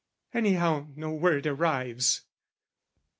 Anyhow, no word arrives.